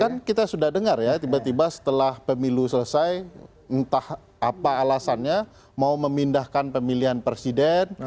kan kita sudah dengar ya tiba tiba setelah pemilu selesai entah apa alasannya mau memindahkan pemilihan presiden